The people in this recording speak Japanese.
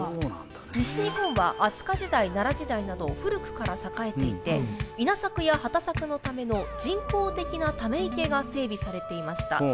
西日本は飛鳥時代奈良時代など古くから栄えていて稲作や畑作のための人工的なため池が整備されていました。